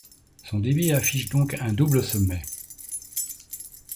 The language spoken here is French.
Son débit affiche donc un double sommet.